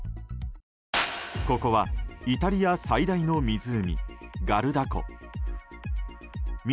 ここはイタリア最大の湖ガルダ湖。